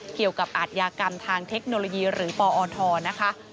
เกี่ยวกับอาชญากรรมทางเทคโนโลยีหรือปอทนะคะ